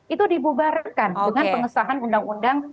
itu dibubarkan dengan pengesahan undang undang